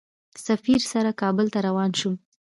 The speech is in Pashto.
سفیر سره کابل ته روان شوم.